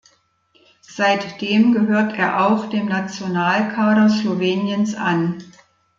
Seitdem gehört er auch dem Nationalkader Sloweniens an.